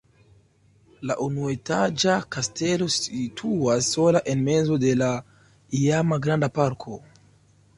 La unuetaĝa kastelo situas sola en mezo de la iama granda parko.